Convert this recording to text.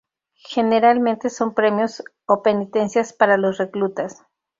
Generalmente son premios o penitencias para los reclutas.